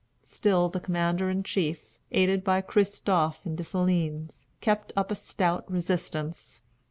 Still the Commander in Chief, aided by Christophe and Dessalines, kept up a stout resistance.